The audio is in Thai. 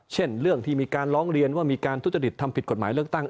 เช่นเรื่องที่มีการร้องเรียนว่ามีการทุจริตทำผิดกฎหมายเลือกตั้ง